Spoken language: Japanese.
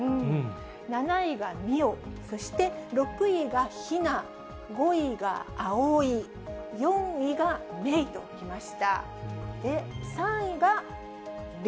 ７位が澪、そして６位が陽菜、５位が葵、４位が芽依ときました。